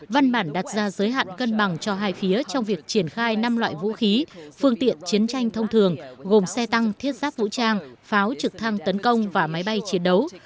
văn bản đặt ra giới hạn cân bằng cho hai phía trong việc triển khai năm loại vũ khí phương tiện chiến tranh thông thường gồm xe tăng thiết giáp vũ trang pháo trực thăng tấn công và máy bay chiến đấu